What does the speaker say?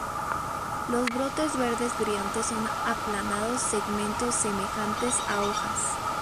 Los brotes verdes brillantes son aplanados segmentos semejantes a hojas.